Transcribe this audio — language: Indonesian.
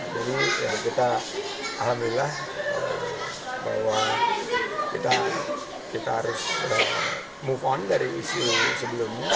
jadi kita alhamdulillah bahwa kita harus move on dari isu sebelumnya